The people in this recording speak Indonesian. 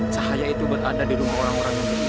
cahaya itu berada di dalam orang orang yang berhenti